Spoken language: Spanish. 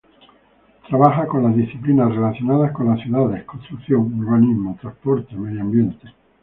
Trabaja con las disciplinas relacionadas con las ciudades: construcción, urbanismo, transporte, medio ambiente.